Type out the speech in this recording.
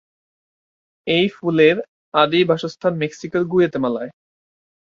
এ ফুলের আদি বাসস্থান মেক্সিকোর গুয়াতেমালায়।